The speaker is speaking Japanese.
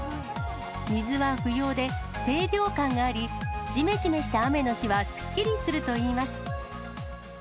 水は不要で、清涼感があり、じめじめした雨の日はすっきりするといいます。